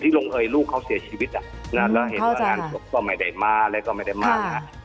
หรือลงเอยลูกเขาเสียชีวิตแล้วเห็นว่าร้านหลบก็ไม่ได้มาแล้วก็ไม่ได้มา